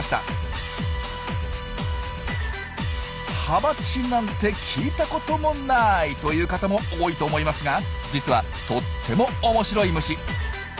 ハバチなんて聞いたこともないという方も多いと思いますが実はとっても面白い虫。